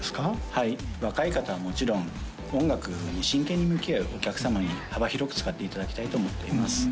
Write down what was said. はい若い方はもちろん音楽に真剣に向き合うお客様に幅広く使っていただきたいと思っています